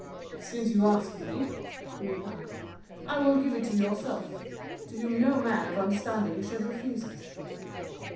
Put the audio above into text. "Since you ask me," he replied, "I will give it to yourself, to whom no man of understanding should refuse it."